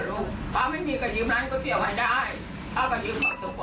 คุณยายเอาเดี๋ยวดูช่วงนี้หน่อยละกันค่ะ